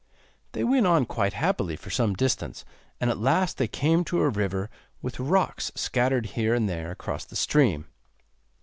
They went on quite happily for some distance, and at last they came to a river with rocks scattered here and there across the stream.